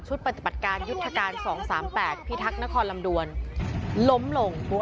ชุดปัจจับการยุทธการสองสามแปดพี่ทักนครลำดวนล้มลง